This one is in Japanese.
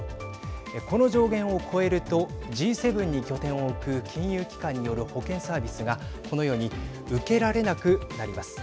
この上限を超えるとＧ７に拠点を置く金融機関による保険サービスがこのように受けられなくなります。